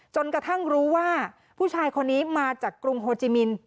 จนกระทั่งรู้ว่าผู้ชายคนนี้มาจากกรุงโฮจิมิน